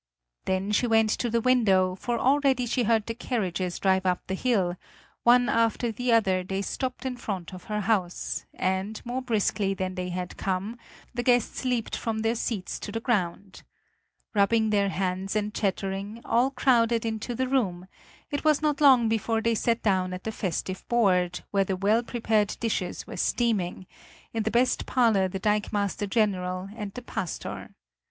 Then she went to the window, for already she heard the carriages drive up the hill; one after the other they stopped in front of her house, and, more briskly than they had come, the guests leaped from their seats to the ground. Rubbing their hands and chattering, all crowded into the room; it was not long before they sat down at the festive board, where the well prepared dishes were steaming in the best parlor the dikemaster general and the pastor.